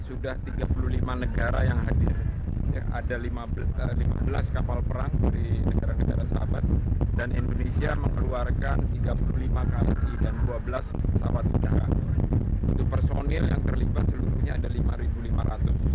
untuk personel yang terlibat seluruhnya ada lima orang